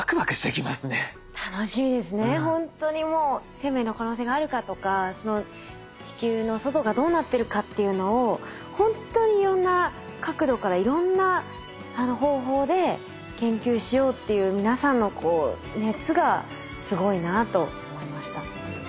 生命の可能性があるかとか地球の外がどうなってるかっていうのを本当にいろんな角度からいろんな方法で研究しようっていう皆さんのこう熱がすごいなあと思いました。